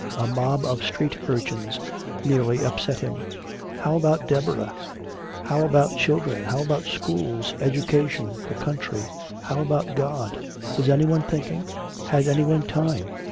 A mob of street urchins nearly upset him. How about Deborah? How about children? How about schools, education, the country? How about God? Was anyone thinking? Had anyone time?